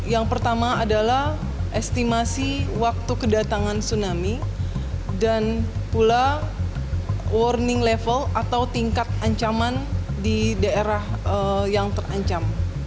yang pertama adalah estimasi waktu kedatangan tsunami dan pula warning level atau tingkat ancaman di daerah yang terancam